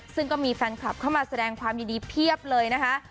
ซึ่งก็มีแฟนคลับเข้ามาแสดงความยินดีเพียบเลยนะคะ